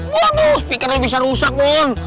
waduh speakernya bisa rusak dong